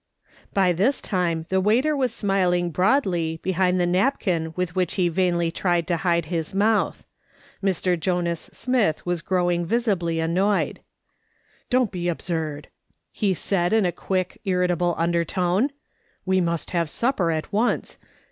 By this time the waiter was smiling broadly be hind the napkin with which he v.ainly tried to hide his mouth. Mr. Jonas Smith was growing visibly annoyed. " Don't be absurd !" he said, in a quick, irritable undertone, " we must have supper at once.